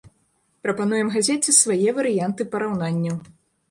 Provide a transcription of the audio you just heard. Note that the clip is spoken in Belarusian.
Прапануем газеце свае варыянты параўнанняў.